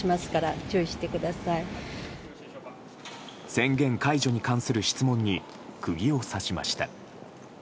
宣言解除に関する質問に釘を刺しました。